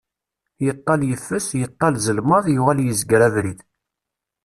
Yeṭall yeffes, yeṭall zelmeḍ, yuɣal izger abrid.